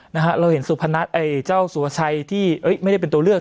นะฮะเราเห็นสุพนัทไอ้เจ้าสุภาชัยที่ไม่ได้เป็นตัวเลือก